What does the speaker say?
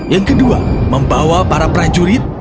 yang kedua membawa para prajurit